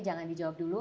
jangan dijawab dulu